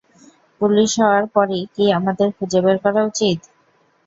Police হওয়ার পরই কি আমাদের খুঁজে বের করা উচিত?